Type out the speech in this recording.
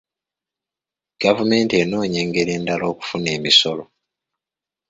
Gavumenti enoonya ngeri ndala okufuna emisolo.